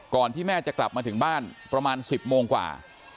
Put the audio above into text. ที่แม่จะกลับมาถึงบ้านประมาณ๑๐โมงกว่า